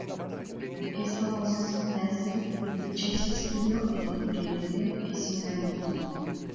Es famosa su frase: "Dichoso siglo en el que el deber es una virtud".